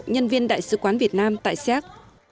nhân viên đại sứ quán việt nam tại xếp